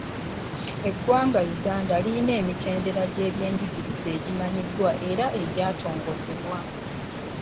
Eggwanga Uganda lirina emitendera gy’ebyenjigiriza egimanyiddwa era egyatongozebwa.